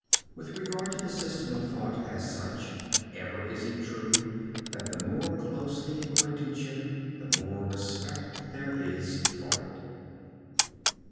With regard to the system of thought, as such, ever is it true, that the more close the acquaintanceship the more respect there is for it.